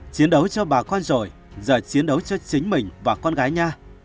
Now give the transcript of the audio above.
chiến đấu cho bà con rồi giờ chiến đấu cho chính mình và con gái